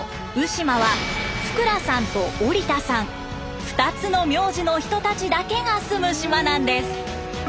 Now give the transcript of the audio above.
鵜島は福羅さんとオリタさん２つの名字の人たちだけが住む島なんです。